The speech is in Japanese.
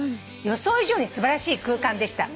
「予想以上に素晴らしい空間でした」